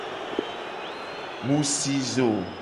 Mu si zo.